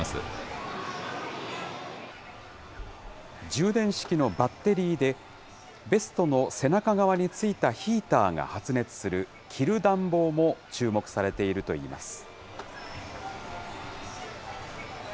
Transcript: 充電式のバッテリーで、ベストの背中側についたヒーターが発熱する、着る暖房も注目されているといいます。